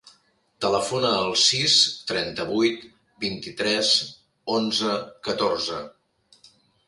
Telefona al sis, trenta-vuit, vint-i-tres, onze, catorze.